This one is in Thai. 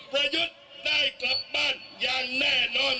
ประยุทธ์ได้กลับบ้านอย่างแน่นอน